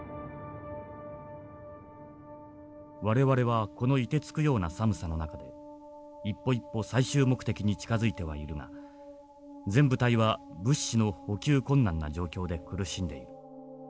「我々はこの凍てつくような寒さの中で一歩一歩最終目的に近づいてはいるが全部隊は物資の補給困難な状況で苦しんでいる。